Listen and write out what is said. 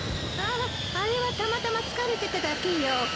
あっあれはたまたま疲れてただけよ。